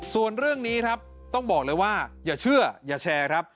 ส่วนเรื่องนี้ครับต้องบอกเลยว่าอย่าเชื่ออย่าแชร์ครับ